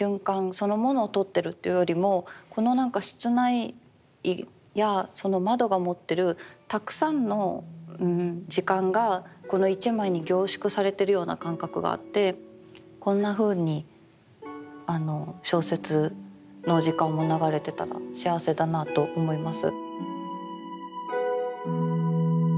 そのものをとってるっていうよりもこのなんか室内やその窓が持ってるたくさんの時間がこの一枚に凝縮されてるような感覚があってこんなふうに小説の時間も流れてたら幸せだなと思います。